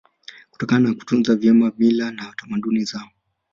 Kutokana na kutunza vyema mila na tamaduni zao